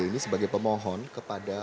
ini sebagai pemohon kepada